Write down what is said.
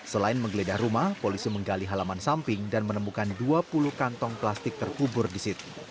selain menggeledah rumah polisi menggali halaman samping dan menemukan dua puluh kantong plastik terkubur di situ